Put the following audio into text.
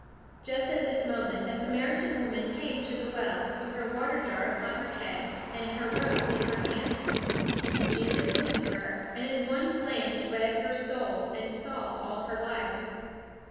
Just at this moment a Samaritan woman came to the well, with her water jar upon her head, and her rope in her hand. Jesus looked at her, and in one glance read her soul, and saw all her life.